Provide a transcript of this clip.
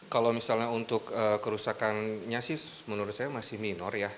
kalau misalnya untuk kerusakannya sih menurut saya masih minor ya